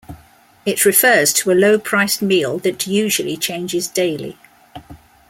It refers to a low-priced meal that usually changes daily.